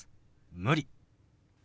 「無理」。